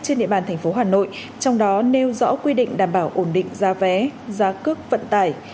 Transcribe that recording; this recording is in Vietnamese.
trên địa bàn thành phố hà nội trong đó nêu rõ quy định đảm bảo ổn định giá vé giá cước vận tải